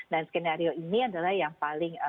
dan skenario ini adalah yang paling